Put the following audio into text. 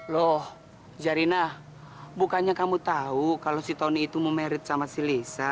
loh zarina bukannya kamu tau kalo si tony itu mau married sama si lisa